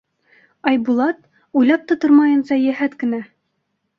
Айбулат, уйлап та тормайынса, йәһәт кенә: